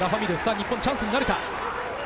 日本チャンスになるか。